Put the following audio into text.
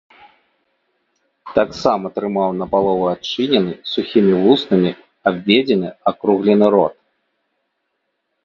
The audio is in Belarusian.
Таксама трымаў напалову адчынены, сухімі вуснамі абведзены, акруглены рот.